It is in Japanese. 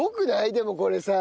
でもこれさ。